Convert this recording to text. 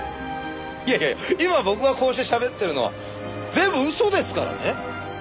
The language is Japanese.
いやいや今僕がこうしてしゃべってるのは全部嘘ですからね。